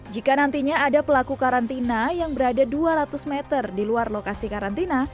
jika nantinya ada pelaku karantina yang berada dua ratus meter di luar lokasi karantina